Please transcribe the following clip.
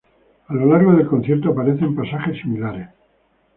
A lo largo del concierto aparecen pasajes similares.